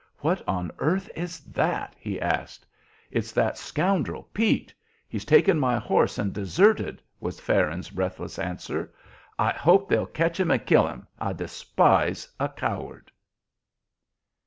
"What on earth is that?" he asked. "It's that scoundrel, Pete. He's taken my horse and deserted!" was Farron's breathless answer. "I hope they'll catch and kill him! I despise a coward!"